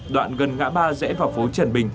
đoạn gần ngã ba dẽ vào phố trần bình